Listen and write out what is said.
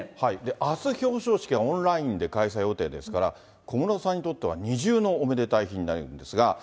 あす、表彰式がオンラインで開催予定ですから、小室さんにとっては二重のおめでたい日になるんですが。